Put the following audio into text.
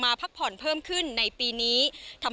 ที่ผู้ประกอบการร้านค้าและเครื่องเล่นกิจกรรมทางน้ำบอกว่า